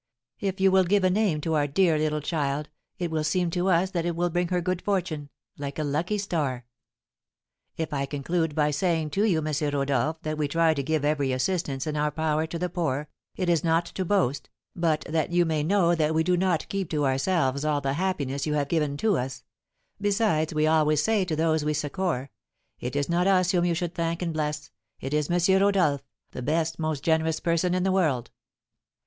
If you will give a name to our dear little child, it will seem to us that it will bring her good fortune, like a lucky star. "If I conclude by saying to you, M. Rodolph, that we try to give every assistance in our power to the poor, it is not to boast, but that you may know that we do not keep to ourselves all the happiness you have given to us; besides, we always say to those we succour: 'It is not us whom you should thank and bless; it is M. Rodolph, the best, most generous person in the world.'